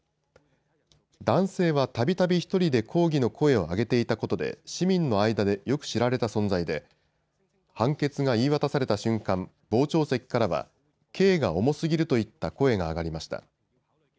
男性はたびたび１人で抗議の声を上げていたことで市民の間でよく知られた存在で判決が言い渡された瞬間、傍聴席からは刑が重すぎるといった声が上がりました。